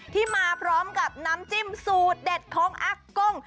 ที่มาพร้อมกับน้ำจิ้มสูตรเด็ดของอักกุ้ง